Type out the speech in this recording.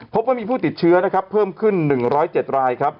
พบว่ามีผู้ติดเชื้อนะครับเพิ่มขึ้นหนึ่งร้อยเจ็ดรายครับ